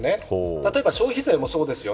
例えば、消費税もそうですよね。